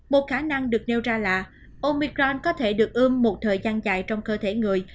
một khả năng được nêu ra là omicron có thể được ươm một thời gian dài trong cơ thể người